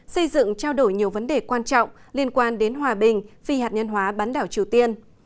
xây dựng trao đổi nhiều vấn đề quan trọng liên quan đến hòa bình phi hạt nhân hóa bán đảo triều tiên